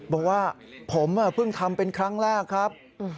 บอกว่าผมเพิ่งทำเป็นครั้งแรกครับ